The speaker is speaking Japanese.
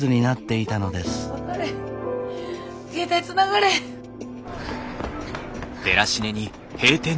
携帯つながれへん。